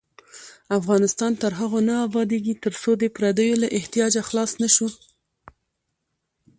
افغانستان تر هغو نه ابادیږي، ترڅو د پردیو له احتیاجه خلاص نشو.